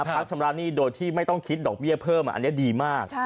พักชำระหนี้โดยที่ไม่ต้องคิดดอกเบี้ยเพิ่มอันนี้ดีมาก